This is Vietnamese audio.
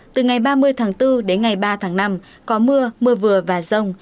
từ ngày ba mươi tháng bốn đến ngày ba tháng năm có mưa mưa vừa và rông